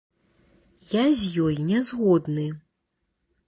Я з ёй не згодны.